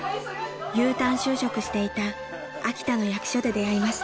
［Ｕターン就職していた秋田の役所で出会いました］